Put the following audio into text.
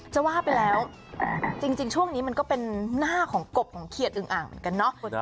จะว่าไปแล้วจริงช่วงนี้มันก็เป็นหน้าของกบของเขียดอึงอ่างเหมือนกันเนาะ